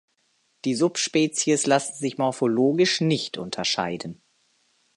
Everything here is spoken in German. Die Subspezies lassen sich morphologisch nicht unterscheiden.